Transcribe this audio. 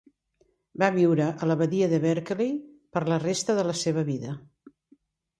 Va viure a la badia Berkeley per la resta de la seva vida.